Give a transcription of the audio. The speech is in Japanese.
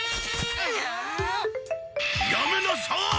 やめなさい！